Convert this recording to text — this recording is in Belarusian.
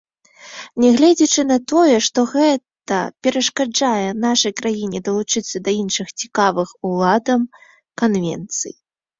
Нягледзячы на тое, што гэта перашкаджае нашай краіне далучыцца да іншых цікавых уладам канвенцый.